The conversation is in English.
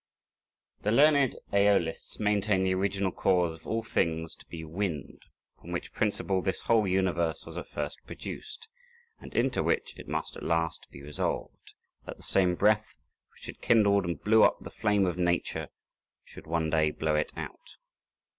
THE learned Æolists maintain the original cause of all things to be wind, from which principle this whole universe was at first produced, and into which it must at last be resolved, that the same breath which had kindled and blew up the flame of Nature should one day blow it out.